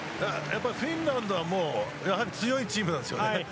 フィンランドはやはり強いチームなんです。